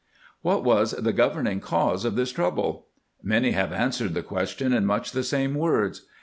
* What was the governing cause of this trou ble? Many have answered the question in much the same words.